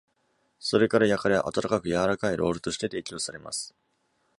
それから焼かれ、温かく柔らかいロールとして提供されます。